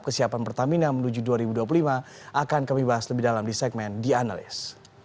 kesiapan pertamina menuju dua ribu dua puluh lima akan kami bahas lebih dalam di segmen the analyst